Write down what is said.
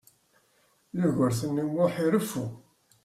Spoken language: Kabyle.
Yugurten U Muḥ ireffu.